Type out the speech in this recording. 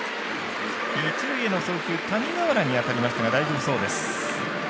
一塁への送球谷川原に当たりましたが大丈夫そうです。